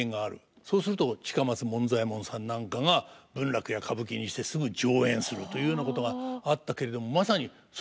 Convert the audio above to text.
そうすると近松門左衛門さんなんかが文楽や歌舞伎にしてすぐ上演するというようなことがあったけれどもまさにそれと一緒ですよね。